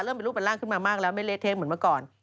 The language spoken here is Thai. เริ่มเป็นรูปเป็นร่างขึ้นมามากแล้วไม่เละเทะเหมือนเมื่อก่อน